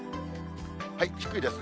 低いですね。